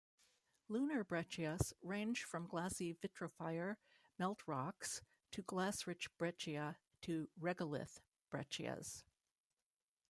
"Lunar breccias" range from glassy vitrophyre melt rocks, to glass-rich breccia, to regolith breccias.